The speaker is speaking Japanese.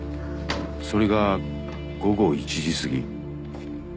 それが午後１時すぎ。